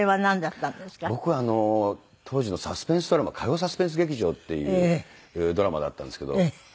僕は当時のサスペンスドラマ火曜サスペンス劇場っていうドラマだったんですけど。